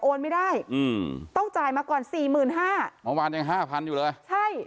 ไม่ได้อืมต้องจ่ายมาก่อนสี่หมื่นห้าเมื่อวานยังห้าพันอยู่เลยใช่